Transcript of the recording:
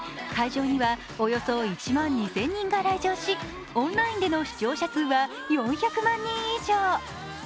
会場にはおよそ１万２０００人が来場しオンラインでの視聴者数は４００万人以上。